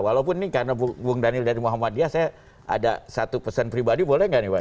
walaupun ini karena bung daniel dari muhammadiyah saya ada satu pesan pribadi boleh nggak nih pak